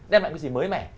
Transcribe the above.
đem lại một cái gì mới mẻ